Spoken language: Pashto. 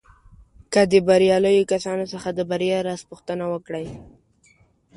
که د برياليو کسانو څخه د بريا راز پوښتنه وکړئ.